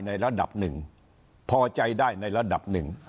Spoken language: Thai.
ในระดับหนึ่งพอใจได้ในระดับหนึ่ง